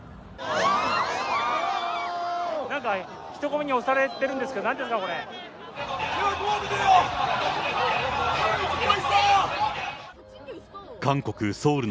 なんか人混みに押されてるんですけど、なんですか、これ？